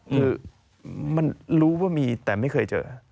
คือมันรู้ว่ามีแต่ไม่เคยเจอ